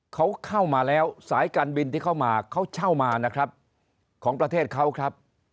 เขาเข้ามาแล้วสายการบินที่เข้ามาเขาเช่ามานะครับของประเทศเขาครับ